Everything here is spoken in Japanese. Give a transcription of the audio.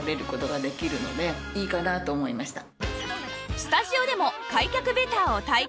スタジオでも開脚ベターを体験！